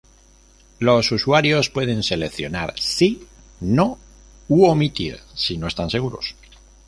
Los usuarios pueden seleccionar "Sí", "No" u "Omitir" si no están seguros.